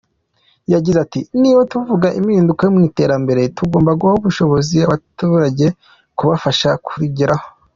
Yagize ati “Niba tuvuga impinduka mu iterambere, tugomba guha ubushobozi abaturage bubafasha kurigeraho.